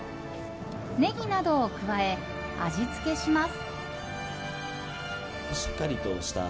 ネギなどを加え、味付けします。